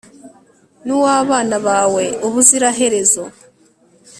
n'uw'abana bawe ubuziraherezo